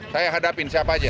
saya hadapin siapa aja